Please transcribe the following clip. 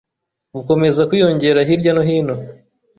bukomeza kwiyongera hirya no hino.